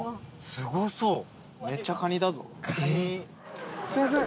すいません。